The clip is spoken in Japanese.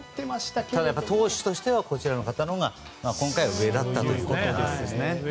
ただ、投手としてはこちらの方のほうが今回は上だったということです。